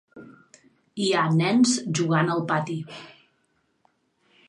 Hi ha nens jugant al pati.